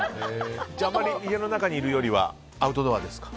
家の中にいるよりはアウトドアですか？